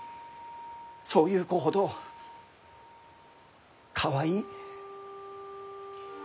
そういう子ほどかわいい。